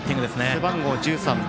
背番号１３番。